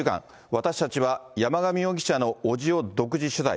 私たちは山上容疑者の伯父を独自取材。